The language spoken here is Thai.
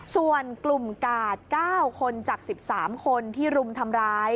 ส่วนกลุ่มกาด๙คนจาก๑๓คนที่รุมทำร้าย